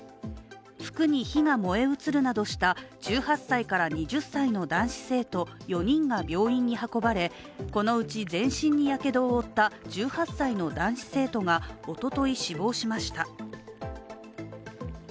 服に火が燃え移るなどした１８歳から２０歳の男子生徒４人が病院に運ばれ、このうち全身にやけどを負った１８歳の男子生徒がおととい死亡しました。